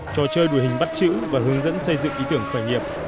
trò chơi đùi hình bắt chữ và hướng dẫn xây dựng ý tưởng khởi nghiệp